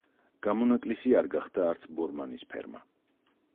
გამონაკლისი არ გახდა არც ბორმანის ფერმა.